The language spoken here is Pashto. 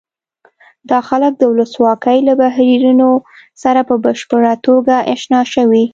دا خلک د ولسواکۍ له بهیرونو سره په بشپړه توګه اشنا شوي.